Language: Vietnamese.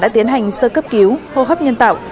đã tiến hành sơ cấp cứu hô hấp nhân tạo